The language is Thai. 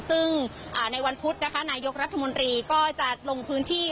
ซึ่งในวันพุธนะคะนายกรัฐมนตรีก็จะลงพื้นที่